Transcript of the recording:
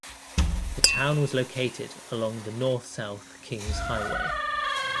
The town was located along the north-south King's Highway.